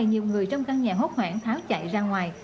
nhiều người trong căn nhà hốt hoảng tháo chạy ra ngoài